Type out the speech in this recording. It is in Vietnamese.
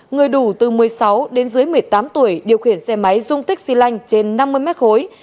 người đủ từ một mươi sáu đến dưới một mươi tám tuổi điều khiển xe máy dung tích xy lanh trên năm mươi mét khối